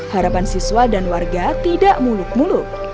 harapan siswa dan warga tidak muluk muluk